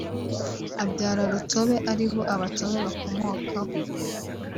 abyara Rutsobe ariwe Abatsobe bakomokaho